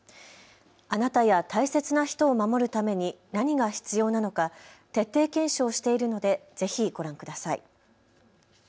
あなたや大切な人を守るために何が必要なのか、徹底検証しているのでぜひご覧ください。